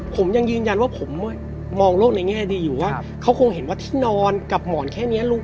ผมยังยืนยันว่าผมมองโลกในแง่ดีอยู่ว่าเขาคงเห็นว่าที่นอนกับหมอนแค่นี้